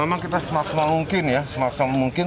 memang kita semaksimal mungkin ya semaksimal mungkin